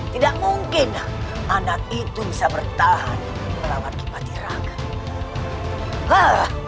tidak mungkin anak itu bisa bertahan melawan kipati raka